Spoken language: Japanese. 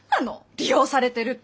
利用されてるって。